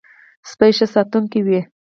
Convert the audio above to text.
سپي ښه ساتونکی وي.